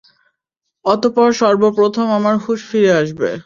অতঃপর সর্বপ্রথম আমার হুঁশ ফিরে আসবে।